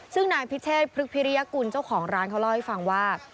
ซึ่งนายพิเชษพฤกพิริยกุลเจ้าของร้านเขาเล่าให้ฟังว่า